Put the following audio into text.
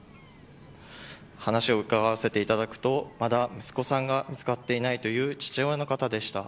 話をうかがわせていただくとまだ息子さんが見つかっていないという父親の方でした。